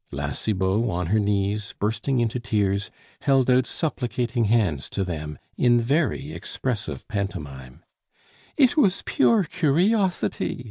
La Cibot, on her knees, bursting into tears, held out supplicating hands to them in very expressive pantomime. "It was pure curiosity!"